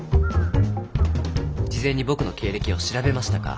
事前に僕の経歴を調べましたか。